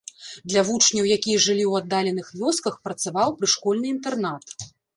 Для вучняў, якія жылі ў аддаленых вёсках, працаваў прышкольны інтэрнат.